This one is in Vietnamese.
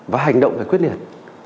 và hành động phải quyết liệt